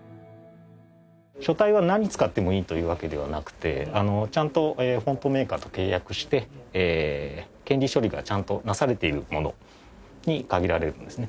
書体は何使ってもいいというわけではなくてちゃんとフォントメーカーと契約して権利処理がちゃんとなされているものに限られるんですね。